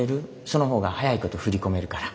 その方が早いこと振り込めるから。